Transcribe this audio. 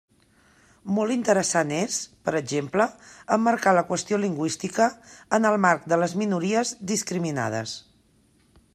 Molt interessant és, per exemple, emmarcar la qüestió lingüística en el marc de les minories discriminades.